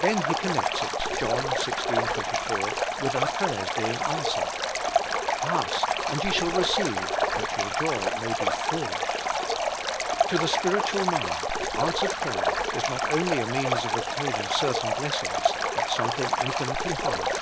Then He connects it THAT YOUR JOY MAY BE FULL. 189 {John XVI. 24) with our prayers being answered : 'Ask and ye shall i^eceive^ that your joy may be full. ' To the spiritual mind, answered prayer is not only a means of obtaining certain blessings, but something infinitely higher.